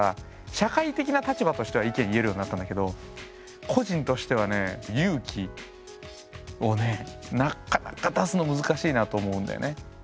社会的な立場としては意見言えるようになったんだけど個人としてはね勇気をねなかなか出すの難しいなと思うんだよね。